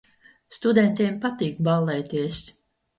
Studentiem patīk ballēties.